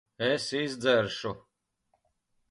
Es izdzeršu.